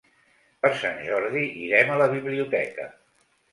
Per Sant Jordi irem a la biblioteca.